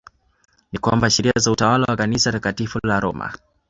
Ni kwamba sheria za utawala wa kanisa Takatifu la Roma